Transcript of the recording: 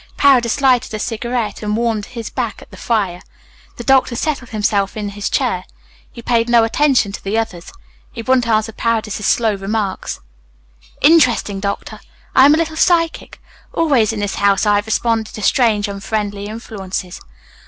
Paredes lighted a cigarette and warmed his back at the fire. The doctor settled himself in his chair. He paid no attention to the others. He wouldn't answer Paredes's slow remarks. "Interesting, doctor! I am a little psychic. Always in this house I have responded to strange, unfriendly influences.